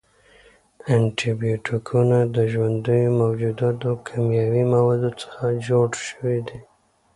انټي بیوټیکونه له ژوندیو موجوداتو، کیمیاوي موادو څخه جوړ شوي دي.